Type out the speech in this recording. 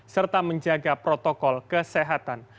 serta menjaga protokol kesehatan